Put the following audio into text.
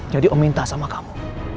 jadi om minta sama kamu